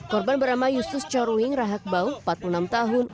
korban bernama yustus corwing rahakbau empat puluh enam tahun